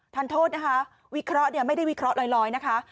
ท่านโทษนะคะวิเคราะห์เนี่ยไม่ได้วิเคราะห์ลอยนะคะ